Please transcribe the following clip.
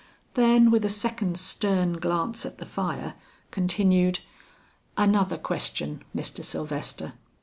Then with a second stern glance at the fire, continued, "Another question, Mr. Sylvester.